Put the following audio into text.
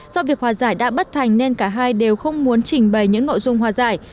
do việc hòa giải đã bất thành nên cả hai đều không muốn trình bày những nội dung hòa giải